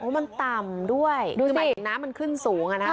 มันต่ำด้วยดูสิคือหมายถึงน้ำมันขึ้นสูงอะนะคะ